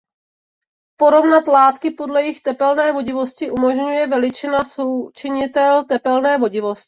Porovnat látky podle jejich tepelné vodivosti umožňuje veličina součinitel tepelné vodivosti.